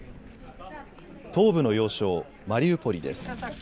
東部の要衝、マリウポリです。